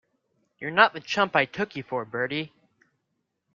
You're not the chump I took you for, Bertie.